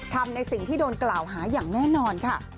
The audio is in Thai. ทำในสิ่งที่โดนกล่าวหาอย่างแน่นอนค่ะ